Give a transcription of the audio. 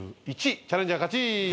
チャレンジャー勝ち。